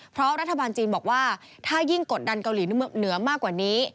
เพราะรัฐบาลจีนบอกว่าถ้ายิ่งกดดันเกาหลีเหนือมากกว่านี้